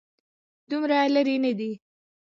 دومره لرې نه دی.